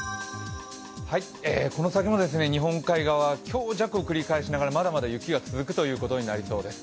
この先も日本海側強弱を繰り返しながらまだまだ雪が続くということになりそうです。